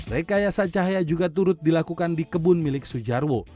rekayasa cahaya juga turut dilakukan di kebun milik sujarwo